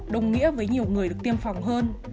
đồng nghĩa với nhiều người được tiêm phòng hơn